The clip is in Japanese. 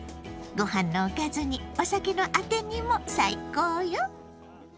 ごはんのおかずにお酒のあてにも最高よ。